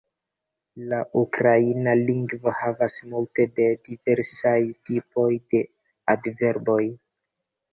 La ukraina lingvo havas multe de diversaj tipoj de adverboj.